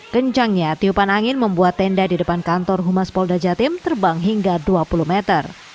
kencangnya tiupan angin membuat tenda di depan kantor humas polda jatim terbang hingga dua puluh meter